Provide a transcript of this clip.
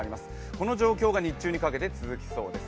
この状況が日中にかけて続きそうです。